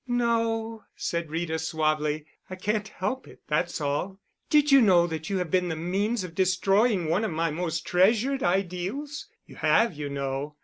"No," said Rita suavely. "I can't help it—that's all. Did you know that you have been the means of destroying one of my most treasured ideals? You have, you know.